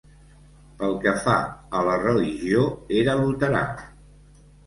Pel que fa a la religió, era luterà.